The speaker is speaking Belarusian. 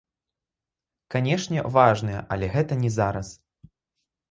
Канешне, важныя, але гэта не зараз.